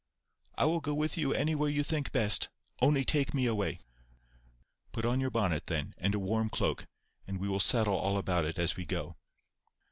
"I will go with you anywhere you think best. Only take me away." "Put on your bonnet, then, and a warm cloak, and we will settle all about it as we go."